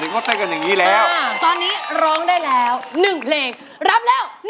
ขอบคุณมากครับ